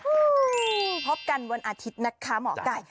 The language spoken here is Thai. พบกันวันอาทิตย์นะคะหมอไก่